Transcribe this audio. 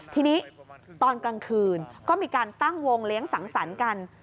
ทีนี้ตอนกลางคืนก็มีการตั้งวงเลี้ยงสังสรรค์กัน